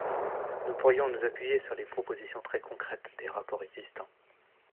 Nous pourrions nous appuyer sur les propositions très concrètes des rapports existants.